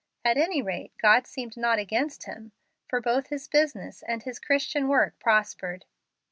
At any rate God seemed not against him, for both his business and his Christian work prospered.